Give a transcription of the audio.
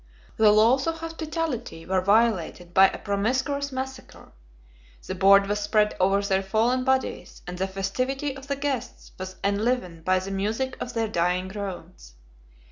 The laws of hospitality were violated by a promiscuous massacre: the board was spread over their fallen bodies; and the festivity of the guests was enlivened by the music of their dying groans.